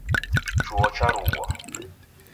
Chuo charughwa.